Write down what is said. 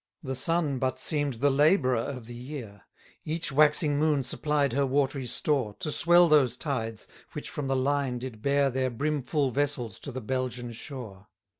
4 The sun but seem'd the labourer of the year; Each waxing moon supplied her watery store, To swell those tides, which from the line did bear Their brimful vessels to the Belgian shore.